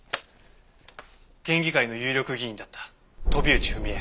県議会の有力議員だった飛内文枝。